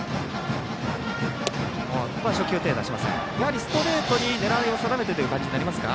やはりストレートに狙いを定めてという感じですか。